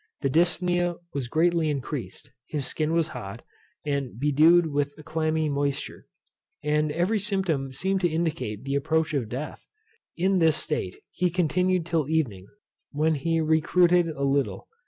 The Dyspnoea was greatly increased; his skin was hot, and bedewed with a clammy moisture; and every symptom seemed to indicate the approach of death. In this state he continued till evening, when he recruited a little.